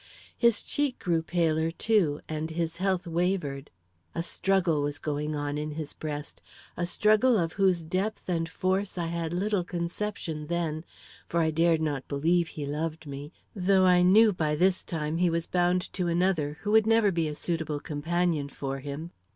His cheek grew paler, too, and his health wavered. A struggle was going on in his breast a struggle of whose depth and force I had little conception then, for I dared not believe he loved me, though I knew by this time he was bound to another who would never be a suitable companion for him.